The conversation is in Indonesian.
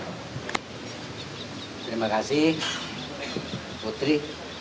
terima kasih putri